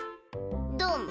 どうも。